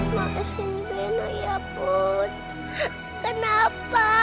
maafin benar ya put kenapa